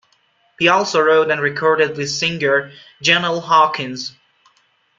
He also wrote and recorded with singer Jennell Hawkins.